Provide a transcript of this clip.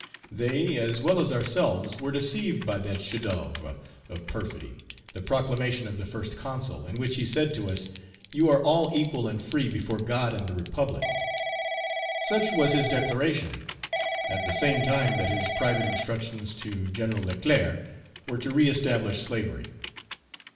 They, as well as ourselves, were deceived by that chef d'oeuvre of Page 333 perfidy, the proclamation of the First Consul, in which he said to us, 'You are all equal and free before God and the Republic;' such was his declaration, at the same time that his private instructions to General Leclerc were to reëstablish slavery.